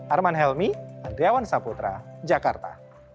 arman helmi andriawan saputra jakarta